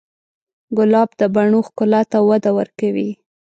ګلاب د بڼو ښکلا ته وده ورکوي.